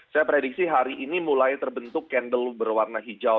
saya prediksi hari ini mulai terbentuk candel berwarna hijau